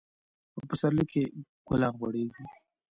په پسرلي کي ګلان غوړيږي.